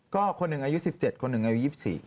ก็คนหนึ่งอายุ๑๗คนหนึ่งอายุ๒๔